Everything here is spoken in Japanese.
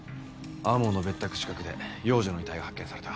天羽の別宅近くで幼女の遺体が発見された。